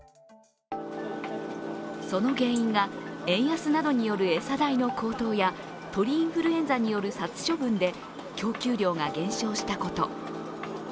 その原因が円安などによる餌代の高騰や鳥インフルエンザによる殺処分で供給量が減少したこと。